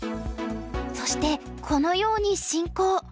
そしてこのように進行。